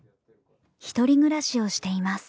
１人暮らしをしています。